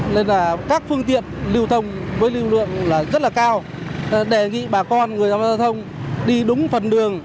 nên là các phương tiện lưu thông với lưu lượng rất là cao đề nghị bà con người tham gia giao thông đi đúng phần đường